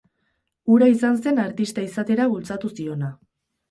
Hura izan zen artista izatera bultzatu ziona.